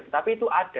tapi itu ada